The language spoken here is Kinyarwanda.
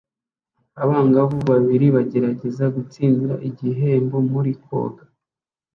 Abangavu babiri bagerageza gutsindira igihembo muri koga